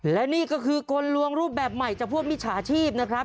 และนี่ก็คือกลลวงรูปแบบใหม่จากพวกมิจฉาชีพนะครับ